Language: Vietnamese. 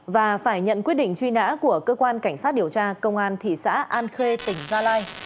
và phải nhận quyết định truy nã của cơ quan cảnh sát điều tra công an thị xã an khê tỉnh gia lai